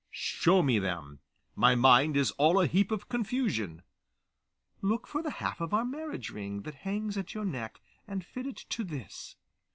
'Show me them. My mind is all a heap of confusion.' 'Look for the half of our marriage ring, that hangs at your neck, and fit it to this.